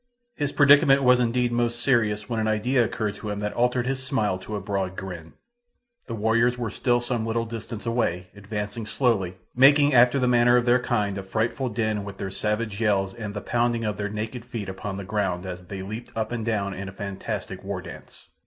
His predicament was indeed most serious when an idea occurred to him that altered his smile to a broad grin. The warriors were still some little distance away, advancing slowly, making, after the manner of their kind, a frightful din with their savage yells and the pounding of their naked feet upon the ground as they leaped up and down in a fantastic war dance.